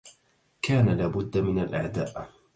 كان لا بد من الأعداء